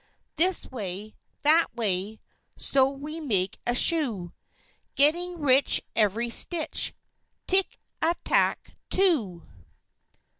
This way, that way, So we make a shoe; Getting rich every stitch, Tick a tack too!